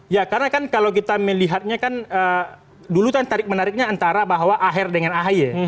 ya karena kan kalau kita melihatnya kan dulu kan tarik menariknya antara bahwa aher dengan ahy